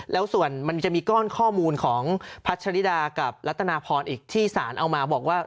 แล้วส่วนมันจะมีก้อนข้อมูลของพัชริดากับรัตนาพรอีกที่สารเอามาบอกว่า